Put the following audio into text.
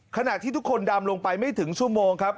ขณะที่ทุกคนดำลงไปไม่ถึงชั่วโมงครับ